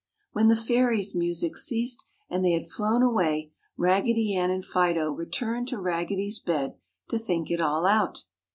When the Fairies' music ceased and they had flown away, Raggedy Ann and Fido returned to Raggedy's bed to think it all out.